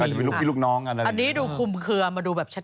ไม่รู้เป็นพี่ลูกน้องหรือเปล่า